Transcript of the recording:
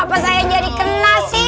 apa saya jadi kena sih